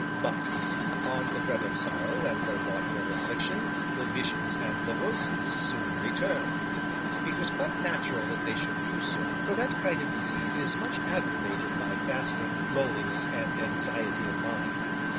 But, on the bread of sorrow and the water of affliction, the visions and the Voices soon returned. It was quite natural that they should do so, for that kind of disease is much aggravated by fasting, loneliness, and anxiety of mind.